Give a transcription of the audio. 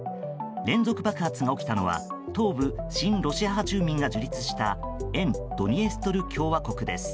連続爆発が起きたのは東部、親ロシア派住民が樹立した沿ドニエストル共和国です。